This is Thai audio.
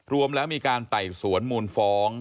รวมแล้วมีการไต่สวนมูลฟ้อง